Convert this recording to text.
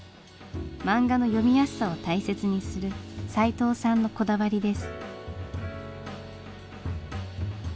漫画の読みやすさを大切にするさいとうさんのこだわりです。